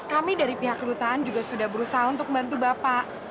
kami dari pihak kedutaan juga sudah berusaha untuk membantu bapak